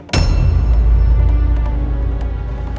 itu dia juga yang ngirim